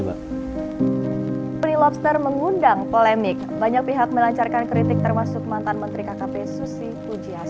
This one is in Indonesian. pre lobster mengundang polemik banyak pihak melancarkan kritik termasuk mantan menteri kkp susi pujias